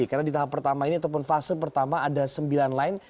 karena di tahap pertama ini ataupun fase pertama ada sembilan line